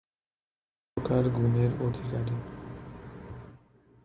তিনি পাঁচ প্রকার গুণের অধিকারী।